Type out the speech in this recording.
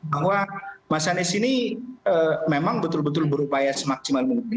bahwa mas anies ini memang betul betul berupaya semaksimal mungkin